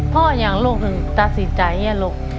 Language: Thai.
พ่ออย่างลูกถึงตัดสินใจให้ลูก